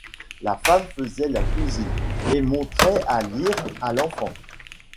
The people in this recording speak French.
La femme faisait la cuisine et montrait à lire à l’enfant.